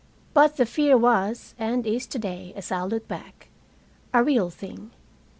But the fear was, and is today as I look back, a real thing.